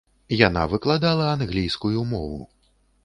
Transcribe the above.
Яна выкладала англійскую мову.